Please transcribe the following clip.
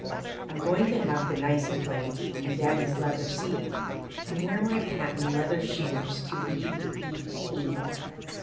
I'm going to have the nicey plate And Daddy's leather seat, And wear my patent leather shoes To eat, eat, eat.